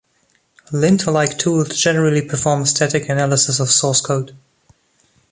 Lint-like tools generally perform static analysis of source code.